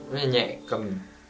nó nhẹ cầm